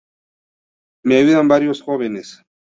Me ayudan varios jóvenes.